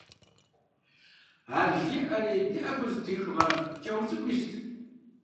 Ар жиӀэри, и Ӏэгур зэтрихмэ, пкӀауэ цӀыкӀу ист.